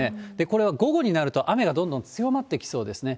これが午後になると、雨がどんどん強まってきそうですね。